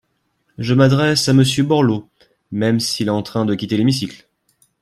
Je m’adresse à Monsieur Borloo, même s’il est en train de quitter l’hémicycle.